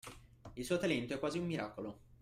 Il suo talento è quasi un miracolo.